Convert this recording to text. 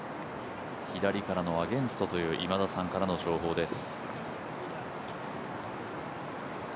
左からのアゲンストという今田さんからの情報です。